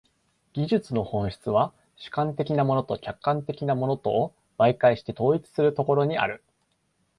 技術の本質は主観的なものと客観的なものとを媒介して統一するところにある。